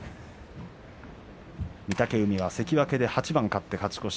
御嶽海は関脇で８番勝って勝ち越し。